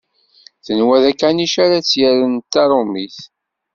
Tenwa d akanic ara tt-yerren d taṛumit.